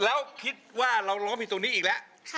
แล้วคิดว่าเราร้องผิดตรงนี้อีกแล้ว